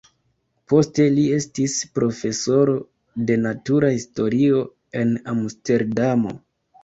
Poste li estis profesoro de natura historio en Amsterdamo.